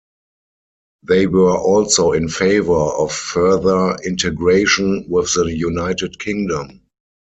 They were also in favour of further integration with the United Kingdom.